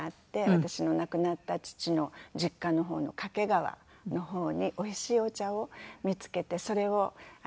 私の亡くなった父の実家の方の掛川の方においしいお茶を見つけてそれを取り寄せて。